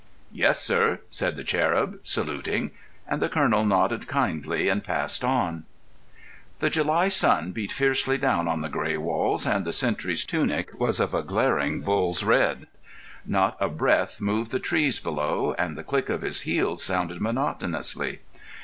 "Yes, sir," said the cherub, saluting; and the colonel nodded kindly and passed on. The July sun beat fiercely down on the grey walls, and the sentry's tunic was of a glaring bull's red. Not a breath moved the trees below, and the click of his heels sounded monotonously.